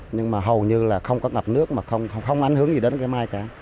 nhưng mà hầu như là không có ngập nước mà không ảnh hưởng gì đến cái mai cả